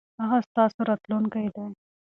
هغه ستاسو راتلونکی دی.